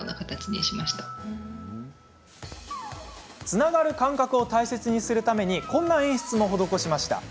つながる感覚を大切にするためにこんな演出も施しました。